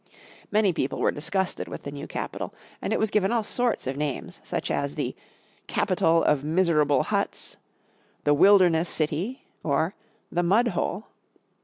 Many people were disgusted with the new capital, and it was given all sorts of names, such as the "Capital of Miserable Huts," "The Wilderness City," or the "Mudhole."